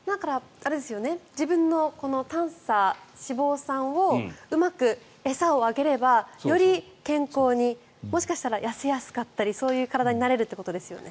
自分の短鎖脂肪酸をうまく餌をあげればより健康にもしかしたら痩せやすかったりそういう体になれるということですよね。